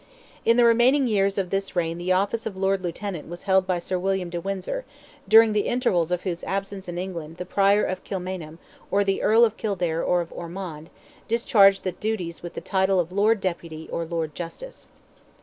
In the remaining years of this reign the office of Lord Lieutenant was held by Sir William de Windsor, during the intervals of whose absence in England the Prior of Kilmainham, or the Earl of Kildare or of Ormond, discharged the duties with the title of Lord Deputy or Lord Justice.